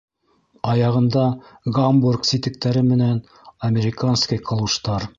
Аяғында гамбург ситектәре менән американский калуштар.